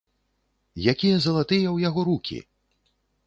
Якія залатыя ў яго рукі!